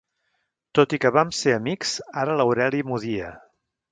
Tot i que vam ser amics, ara l'Aureli m'odia.